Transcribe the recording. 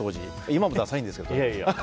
今もダサいんですけど。